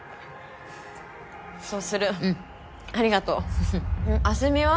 そうするうんありがとう明日美は？